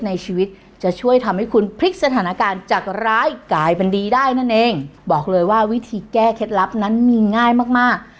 ในชีวิตจะช่วยทำให้คุณพลิกสถานการณ์จากร้ายกลายเป็นดีได้นั่นเองบอกเลยว่าวิธีแก้เคล็ดลับนั้นมีง่ายมากมาก